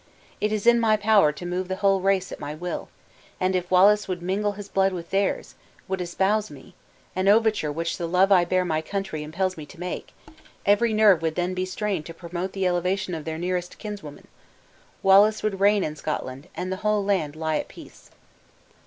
It is in my power to move the whole race at my will; and if Wallace would mingle his blood with theirs, would espouse me (an overture which the love I bear my country impels me to make), every nerve would then be strained to promote the elevation of their nearest kinswoman. Wallace would reign in Scotland, and the whole land lie at peace."